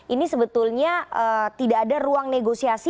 ini sebetulnya tidak ada ruang negosiasi